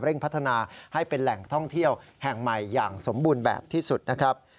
พัฒนาให้เป็นแหล่งท่องเที่ยวแห่งใหม่อย่างสมบูรณ์แบบที่สุดนะครับ